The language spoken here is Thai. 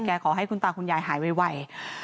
ขอให้คุณตาคุณยายหายไว